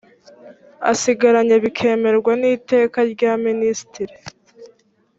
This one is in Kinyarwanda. asigaranye bikemerwa n iteka rya minisitiri